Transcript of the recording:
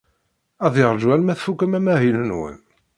Ad yeṛju arma tfukem amahil-nwen.